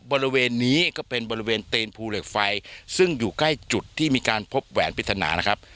บริเวณนี้ก็เป็นบริเวณตีนภูเหล็กไฟซึ่งอยู่ใกล้จุดที่มีการพบแหวนปริศนานะครับ